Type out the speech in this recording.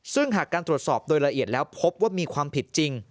ซึ่งหากการตรวจสอบโดยละเอียดแล้วพบว่ามีความผิดจริง